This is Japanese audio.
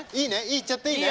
言っちゃっていいね？